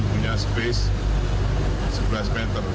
punya space sebelas meter